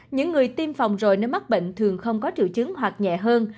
những người tiêm phòng rồi nếu mắc bệnh thường không có triệu chứng hoặc nhẹ hơn